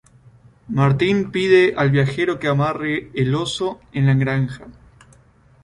Martin pide al viajero que amarre el oso en la granja.